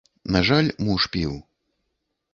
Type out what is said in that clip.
На жаль, муж піў.